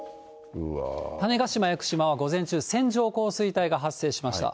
種子島・屋久島は午前中、線状降水帯が発生しました。